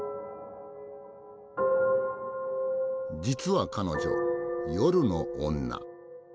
実は彼女夜の女。